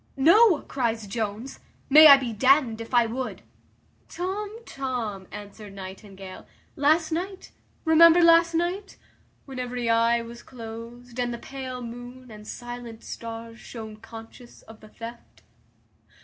"No," cries Jones, "may I be d n'd if I would." "Tom, Tom," answered Nightingale, "last night; remember last night When every eye was closed, and the pale moon, And silent stars, shone conscious of the theft."